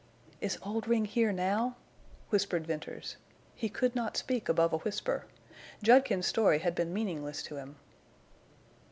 "Is Oldring here now?" whispered Venters. He could not speak above a whisper. Judkins's story had been meaningless to him.